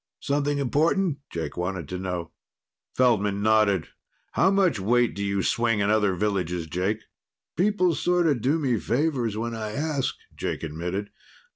"Something important?" Jake wanted to know. Feldman nodded. "How much weight do you swing in other villages, Jake?" "People sort of do me favors when I ask," Jake admitted.